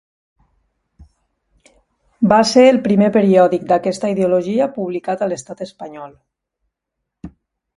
Va ser el primer periòdic d'aquesta ideologia publicat a l'estat Espanyol.